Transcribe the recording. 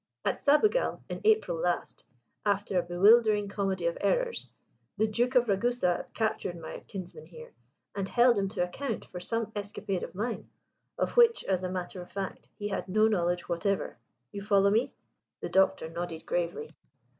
At Sabugal, in April last, after a bewildering comedy of errors, the Duke of Ragusa captured my kinsman here, and held him to account for some escapade of mine, of which, as a matter of fact, he had no knowledge whatever. You follow me?" The Doctor nodded gravely.